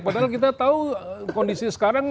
padahal kita tahu kondisi sekarang